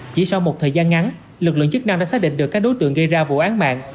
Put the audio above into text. chỉ sau một thời gian ngắn lực lượng chức năng đã xác định được các đối tượng gây ra vụ án mạng